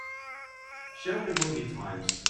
Show me the movie times